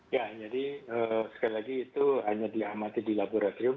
ya jadi sekali lagi itu hanya diamati di laboratorium